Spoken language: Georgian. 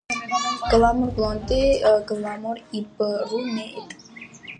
გლამურ ბლონდი გლამორ იბრუნეეეტტტ